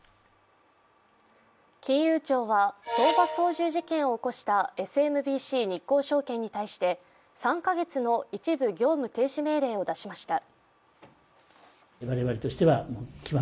金融庁は相場操縦事件を起こしたＳＭＢＣ日興証券に対して３か月の一部業務停止命令を出しました。